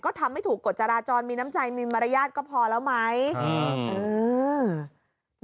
ก็ทำให้ถูกกฎจราจรมีน้ำใจมีมารยาทก็พอแล้วไหมอืมเออ